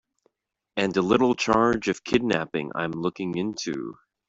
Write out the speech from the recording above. And a little charge of kidnapping I'm looking into.